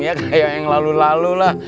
ya kayak yang lalu lalu lah